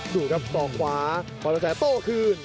ดูครับสอกขวาพรกระแสโต้คืน